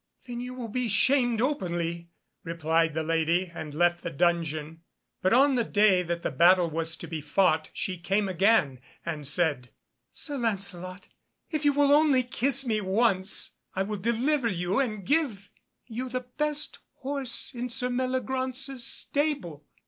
"Then you will be shamed openly," replied the lady, and left the dungeon. But on the day that the battle was to be fought she came again, and said, "Sir Lancelot, if you will only kiss me once, I will deliver you, and give you the best horse in Sir Meliagraunce's stable."